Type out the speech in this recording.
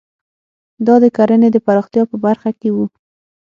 دا د کرنې د پراختیا په برخه کې وو.